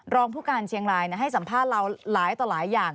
รองผู้การเชียงรายให้สัมภาษณ์เราหลายต่อหลายอย่าง